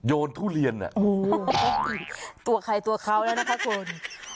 โยนทุเรียนตัวใครตัวเขาแล้วนะคะคุณ